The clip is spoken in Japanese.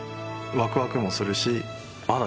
ワクワクもするしまだ